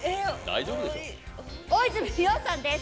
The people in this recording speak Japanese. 大泉洋さんです。